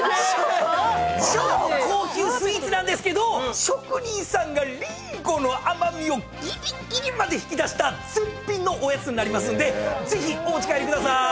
超高級スイーツなんですけど職人さんがリンゴの甘味をぎりぎりまで引き出した絶品のおやつになりますんでぜひお持ち帰りくださーい。